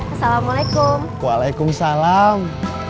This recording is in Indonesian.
redsalamualaikum walaikum salam